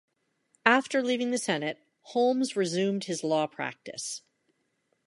After leaving the Senate, Holmes resumed his law practice.